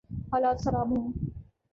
حالات خراب ہوں۔